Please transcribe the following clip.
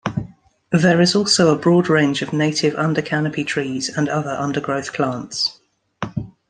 There is also a broad range of native undercanopy trees and other undergrowth plants.